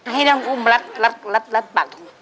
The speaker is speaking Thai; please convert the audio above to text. ให้น้องอุ้มมารัดปากถุง